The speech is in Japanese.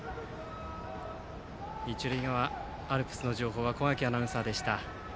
一塁側アルプスの情報は小掛アナウンサーでした。